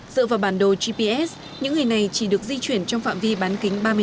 dựa vào bản đồ gps những người này chỉ được di chuyển trong phạm vi bán kính bán